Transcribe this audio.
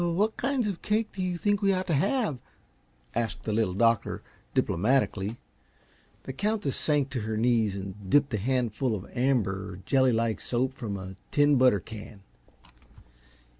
"What kinds of cake do you think we ought to have?" asked the Little Doctor, diplomatically. The Countess sank to her knees and dipped a handful of amber, jelly like soap from a tin butter can.